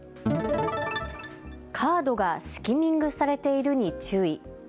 カードがスキミングされているに注意。